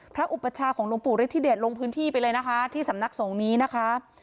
อุปชาของหลวงปู่ฤทธิเดชลงพื้นที่ไปเลยนะคะที่สำนักสงฆ์นี้นะคะ